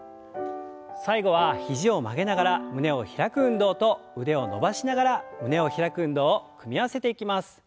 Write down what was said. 最後は肘を曲げながら胸を開く運動と腕を伸ばしながら胸を開く運動を組み合わせていきます。